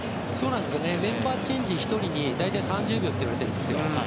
メンバーチェンジ１人に大体３０秒っていわれてるんですよ。